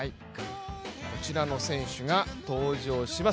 こちらの選手が登場します。